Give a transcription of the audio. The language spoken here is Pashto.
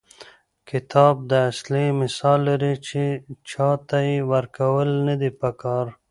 کتاب د اسلحې مثال لري، چي چا ته ئې ورکول نه دي په کار.